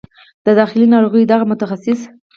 د داخله ناروغیو دغه متخصص